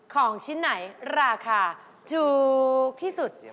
ของชิ้นไหนราคาถูกที่สุด